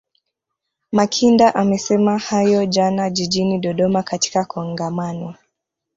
Makinda amesema hayo jana jijini Dodoma katika Kongamano